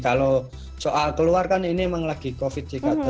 kalau soal keluar kan ini memang lagi covid sih kak